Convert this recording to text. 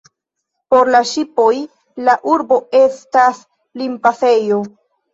Por la ŝipoj la urbo estas limpasejo.